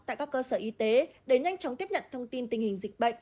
tại các cơ sở y tế để nhanh chóng tiếp nhận thông tin tình hình dịch bệnh